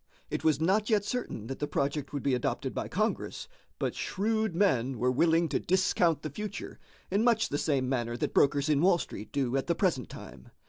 It was not yet certain that the project would be adopted by Congress, but shrewd men were willing to discount the future in much the same manner that brokers in Wall Street do at the present time.